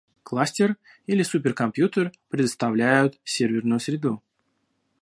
Кластер или суперкомпьютер предоставляют серверную среду